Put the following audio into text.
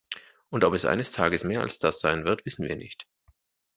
Und ob es eines Tages mehr als das sein wird, wissen wir nicht.